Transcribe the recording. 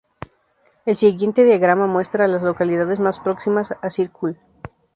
El siguiente diagrama muestra a las localidades más próximas a Circle.